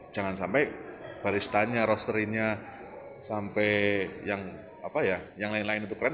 jangan sampai baristanya rosterinya sampai yang lain lain itu keren